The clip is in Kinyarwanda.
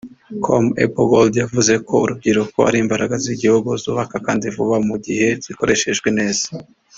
com Apple Gold yavuze ko urubyiruko ari imbaraga z'igihugu zubaka kandi vuba mu gihe zikoreshejwe neza